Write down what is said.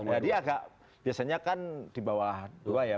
jadi agak biasanya kan di bawah dua ya